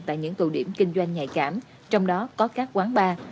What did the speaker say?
tại những tụ điểm kinh doanh nhạy cảm trong đó có các quán bar